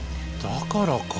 だからか。